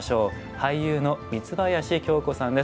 俳優の三林京子さんです。